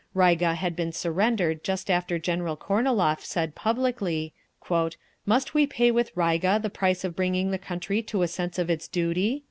Riga had been surrendered just after General Kornilov said publicly, "Must we pay with Riga the price of bringing the country to a sense of its duty?"